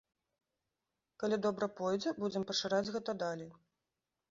Калі добра пойдзе, будзем пашыраць гэта далей.